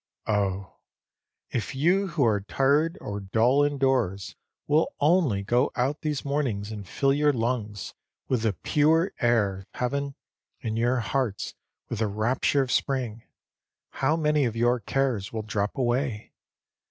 Oh, if you who are tired or dull indoors will only go out these mornings and fill your lungs with the pure air of heaven and your hearts with the rapture of spring, how many of your cares will drop away!